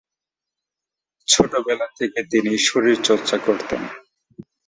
ছোটবেলা থেকে তিনি শরীরচর্চা করতেন।